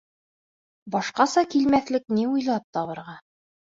Башҡаса килмәҫлек ни уйлап табырға?